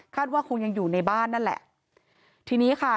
คาดว่าคงยังอยู่ในบ้านนั่นแหละ